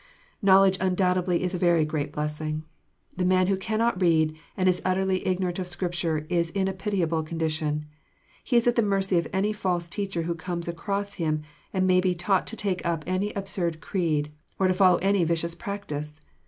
Knowledge undoubtedly is a very great blessing. The man who cannot read, and is utterly ignorant of Scripture, is in a pitiable condition. He is at the mercy of any false teacher who comes across him, and may be taught to take up any absurd creed, or to follow any vicious practice.